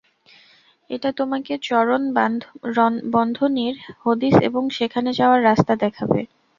এটা তোমাকে চরণ-বন্ধনীর হদিস এবং সেখানে যাওয়ার রাস্তা দেখাবে।